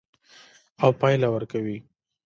او پایله ورکوي.